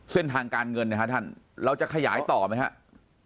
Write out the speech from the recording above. เส้นทางการเงินเราจะขยายต่อไหมครับ